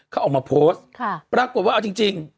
เขาออกมาโพสต์ปรากฏว่าเอาจริง